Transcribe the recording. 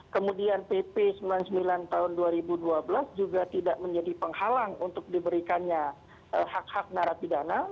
kemudian pp sembilan puluh sembilan tahun dua ribu dua belas juga tidak menjadi penghalang untuk diberikannya hak hak narapidana